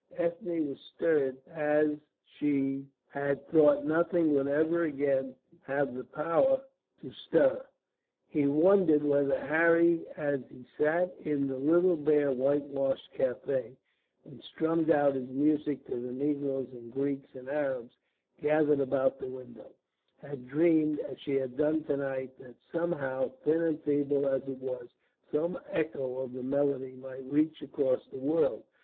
Ethne was stirred as she had thought nothing would ever again have the power to stir her. She wondered whether Harry, as he sat in the little bare whitewashed café, and strummed out his music to the negroes and Greeks and Arabs gathered about the window, had dreamed, as she had done to night, that somehow, thin and feeble as it was, some echo of the melody might reach across the world.